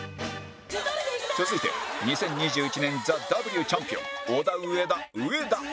続いて２０２１年 ＴＨＥＷ チャンピオンオダウエダ植田